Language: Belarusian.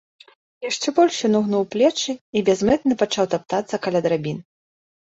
Яшчэ больш ён угнуў плечы і бязмэтна пачаў таптацца каля драбін.